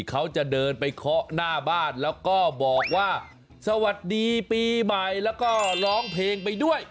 เขาจะเดินไปเคาะหน้าบ้านแล้วก็บอกว่าสวัสดีปีใหม่แล้วก็ร้องเพลงไปด้วย